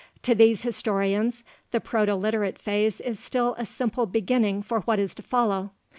To these historians, the Proto Literate phase is still a simple beginning for what is to follow.